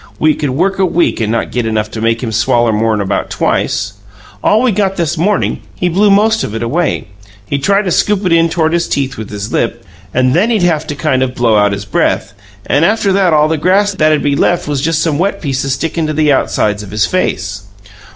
"We could work a week and not get enough to make him swaller more'n about twice. All we got this morning, he blew most of it away. He'd try to scoop it in toward his teeth with his lip, and then he'd haf to kind of blow out his breath, and after that all the grass that'd be left was just some wet pieces stickin' to the outsides of his face.